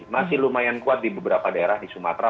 masih lumayan kuat di beberapa daerah di sumatera